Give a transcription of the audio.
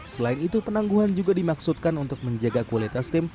selain itu penangguhan juga dimaksudkan untuk menjaga kualitas tim